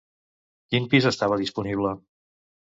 Quin pis estava disponible?